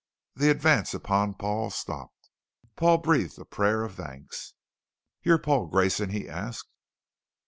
The advance upon Paul stopped. Paul breathed a prayer of thanks. "You're Paul Grayson?" he asked.